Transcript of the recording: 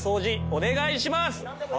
お願いします！